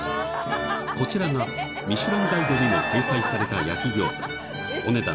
こちらが『ミシュランガイド』にも掲載された焼き餃子お値段